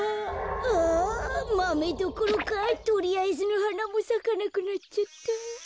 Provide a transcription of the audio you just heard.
あマメどころかとりあえずのはなもさかなくなっちゃった。